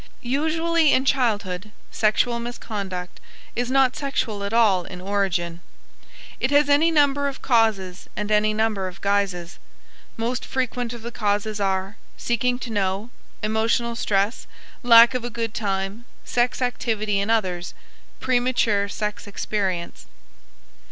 Usually in childhood, sexual misconduct is not sexual at all in origin. It has any number of causes and any number of guises. Most frequent of the causes are: seeking to know, emotional stress, lack of a good time, sex activity in others, premature sex experience.